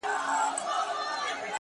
لـــكــه ښـــه اهـنـــگ’